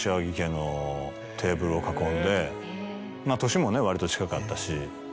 年もね割と近かったし。